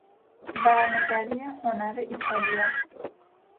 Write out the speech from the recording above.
برنگری هنر ایتالیا